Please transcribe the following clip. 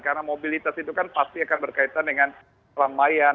karena mobilitas itu kan pasti akan berkaitan dengan ramaian